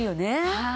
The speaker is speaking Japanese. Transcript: はい。